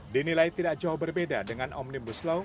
dinilai tidak jauh berbeda dengan omnibus law